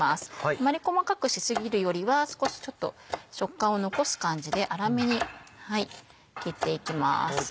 あんまり細かくし過ぎるよりは少しちょっと食感を残す感じで粗めに切っていきます。